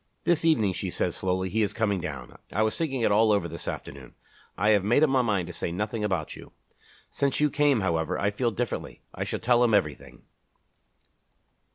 "This evening," she said slowly, "he is coming down. I was thinking it all over this afternoon. I had made up my mind to say nothing about you. Since you came, however, I feel differently. I shall tell him everything."